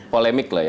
polemik lah ya